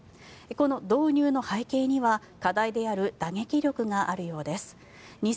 この導入の背景には、課題である打撃力があるようです。